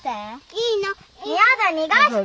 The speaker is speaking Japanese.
いいの！やだ逃がして！